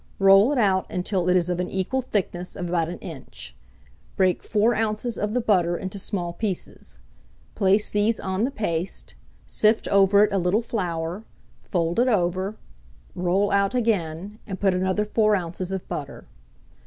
Roll it out until it is of an equal thickness of about an inch; break 4 oz. of the butter into small pieces; place these on the paste, sift over it a little flour, fold it over, roll out again, and put another 4 oz. of butter.